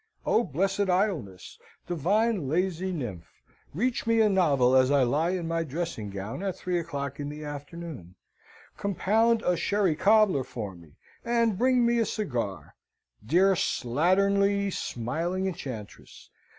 O blessed idleness! Divine lazy nymph! Reach me a novel as I lie in my dressing gown at three o'clock in the afternoon; compound a sherry cobbler for me, and bring me a cigar! Dear slatternly, smiling Enchantress!